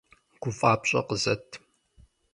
ГуфӀапщӀэ къызэт!